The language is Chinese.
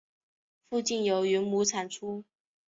附近有云母产出。